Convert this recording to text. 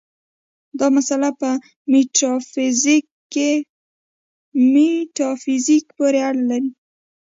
دا مسایل په میتافیزیک پورې اړه لري.